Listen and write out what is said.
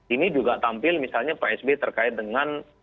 ini juga tampil misalnya pak sby terkait dengan